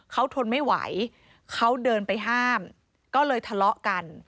เขาทนไม่ไหวเขาเดินไปห้ามก็เลยทะเลาะกัน